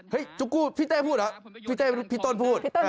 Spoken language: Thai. จุ๊กกู้พี่เต้พูดเหรอพี่ต้นพูด